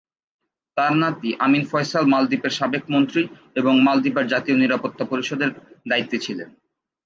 তার নাতি আমিন ফয়সাল মালদ্বীপের সাবেক মন্ত্রী এবং মালদ্বীপের জাতীয় নিরাপত্তা পরিষদের দায়িত্বে ছিলেন।